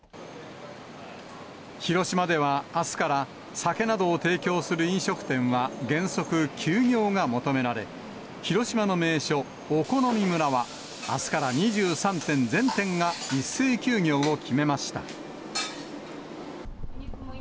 広島ではあすから、酒などを提供する飲食店は原則休業が求められ、広島の名所、お好み村は、あすから２３店全店が、一斉休業を決めました。